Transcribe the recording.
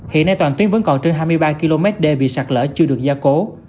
hiện nay toàn tuyến vẫn còn trên hai mươi ba km đê bị sạt lỡ chưa được gia cố